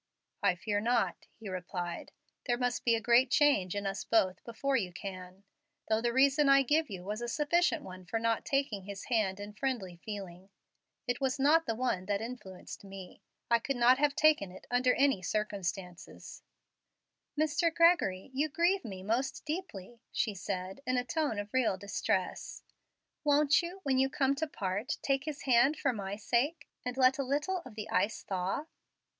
"I fear not," he replied. "There must be a great change in us both before you can. Though the reason I give you was a sufficient one for not taking his hand in friendly feeling, it was not the one that influenced me. I would not have taken it under any circumstances." "Mr. Gregory, you grieve me most deeply," she said, in a tone of real distress. "Won't you, when you come to part, take his hand for my sake, and let a little of the ice thaw?"